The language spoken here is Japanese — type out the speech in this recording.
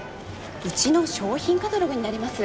うちの商品カタログになります。